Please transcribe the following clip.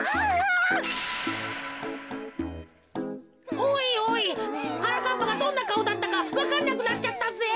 おいおいはなかっぱがどんなかおだったかわかんなくなっちゃったぜ。